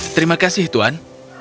terima kasih tuan